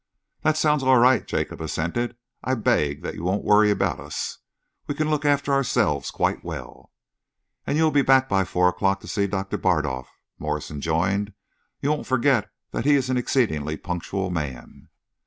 "That sounds all right," Jacob assented. "I beg that you won't worry about us. We can look after ourselves quite well." "And you'll be back by four o'clock to see Doctor Bardolf," Morse enjoined. "You won't forget that he is an exceedingly punctual man."